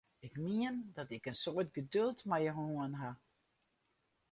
Ik mien dat ik in soad geduld mei jo hân ha!